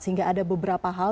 sehingga ada beberapa hal